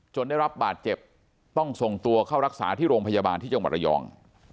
ได้รับบาดเจ็บต้องส่งตัวเข้ารักษาที่โรงพยาบาลที่จังหวัดระยอง